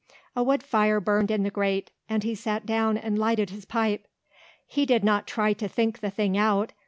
A wood fire burned in the grate and he sat down and lighted his pipe. He did not try to think the thing out.